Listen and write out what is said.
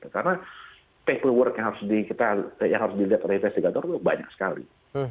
karena paperwork yang harus dilihat oleh investigator itu banyak sekali